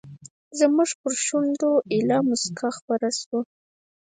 زموږ پر شونډو ایله موسکا خپره شوه.